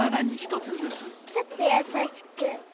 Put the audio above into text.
ちょっとやさしく。